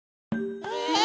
え！？